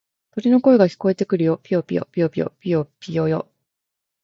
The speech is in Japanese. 鳥の声が聞こえてくるよ。ぴよぴよ、ぴよぴよ、ぴよぴよよ。